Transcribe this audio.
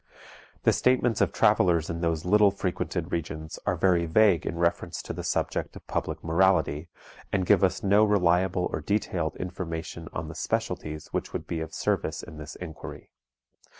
The statements of travelers in those little frequented regions are very vague in reference to the subject of public morality, and give us no reliable or detailed information on the specialities which would be of service in this inquiry.